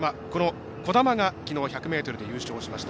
兒玉がきのう、１００ｍで優勝しました。